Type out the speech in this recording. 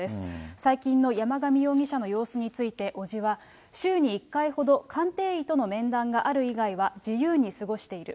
最近の山上容疑者の様子について、伯父は、週に１回ほど、鑑定医との面談がある以外は自由に過ごしている。